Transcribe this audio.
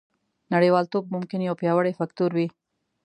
نړیوالتوب ممکن یو پیاوړی فکتور وي